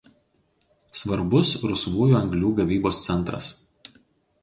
Svarbus rusvųjų anglių gavybos centras.